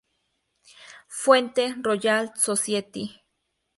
Fuente: Royal Society